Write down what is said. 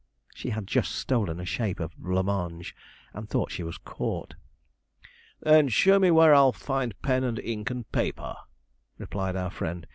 She had just stolen a shape of blanc mange, and thought she was caught. 'Then show me where I'll find pen and ink and paper,' replied our friend.